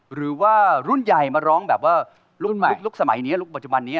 หรือว่ารุ่นใหญ่มาร้องแบบว่ารุ่นใหม่ยุคสมัยนี้ยุคปัจจุบันนี้